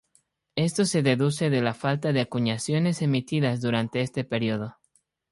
Esto se deduce de la falta de acuñaciones emitidas durante este período.